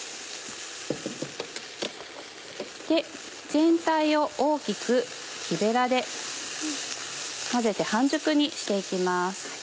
全体を大きく木ベラで混ぜて半熟にして行きます。